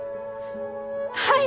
はい！